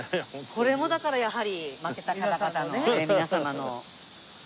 これもだからやはり負けた方々の皆様の。